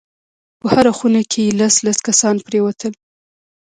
په هره خونه کښې لس لس کسان پرېوتل.